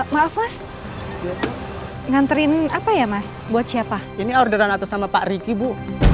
maaf mas nganterin apa ya mas buat siapa ini orderan atas nama pak riki bu